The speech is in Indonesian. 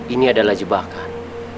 ini adalah jebakan